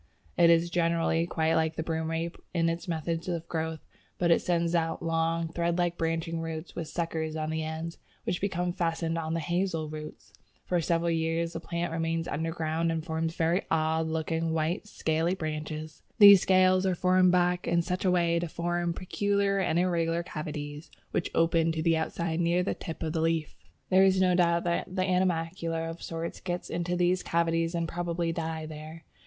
It is, generally, quite like the Broomrape in its method of growth, but it sends out long thread like branching roots with suckers on the ends, which become fastened on the Hazel roots. For several years the plant remains underground and forms very odd looking, white, scaly branches. These scales are rolled back in such a way as to form peculiar and irregular cavities which open to the outside near the tip of the leaf. There is no doubt that animalcula of sorts get into these cavities and probably die there.